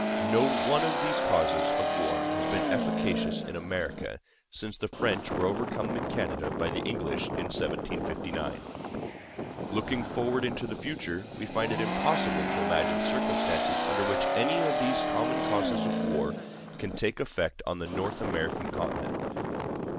No one of these causes of war has been efficacious in America since the French were overcome in Canada by the English in 1759. Looking forward into the future, we find it impossible to imagine circumstances under which any of these common causes of war can take effect on the North American continent.